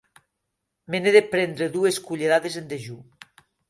Me n'he de prendre dues cullerades en dejú.